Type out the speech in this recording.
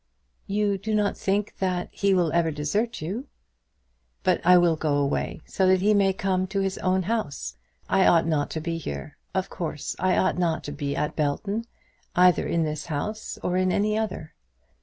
"You do not think that he will ever desert you?" "But I will go away, so that he may come to his own house. I ought not to be here. Of course I ought not to be at Belton, either in this house or in any other.